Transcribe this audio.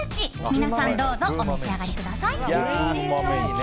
皆さん、どうぞお召し上がりください。